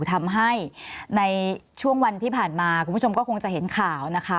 ทำให้ในช่วงวันที่ผ่านมาคุณผู้ชมก็คงจะเห็นข่าวนะคะ